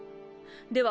では